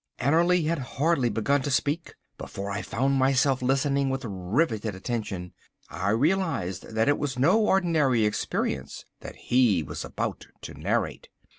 Annerly had hardly begun to speak before I found myself listening with riveted attention. I realised that it was no ordinary experience that he was about to narrate.